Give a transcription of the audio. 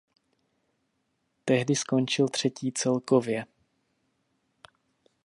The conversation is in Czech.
Tehdy skončil třetí celkově.